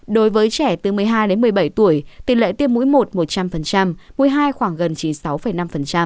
đối với trẻ từ một mươi hai đến một mươi bảy tuổi tỷ lệ tiêm mũi một một trăm linh mũi hai khoảng gần chín mươi sáu năm